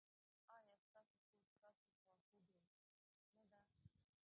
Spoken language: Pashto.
ایا ستاسو خور ستاسو خواخوږې نه ده؟